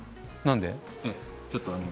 何で？